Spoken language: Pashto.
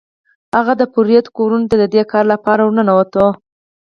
هغه د پردیو کورونو ته د دې کار لپاره ورنوت.